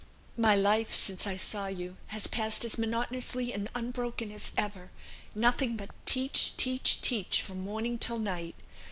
"My life since I saw you has passed as monotonously and unbroken as ever; nothing but teach, teach, teach, from morning till night.